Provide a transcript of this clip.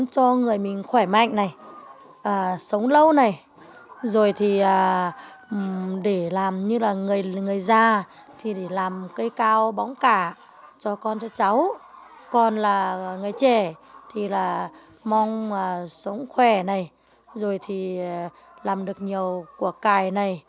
còn là người trẻ thì là mong sống khỏe này rồi thì làm được nhiều quả cài này